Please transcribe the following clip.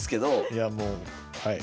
いやもうはい。